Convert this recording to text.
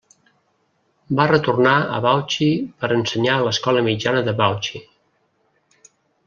Va retornar a Bauchi per ensenyar a l'escola mitjana de Bauchi.